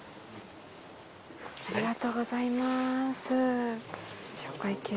ありがとうございます。